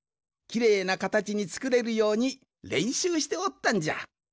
きれいなかたちにつくれるようにれんしゅうしておったんじゃ。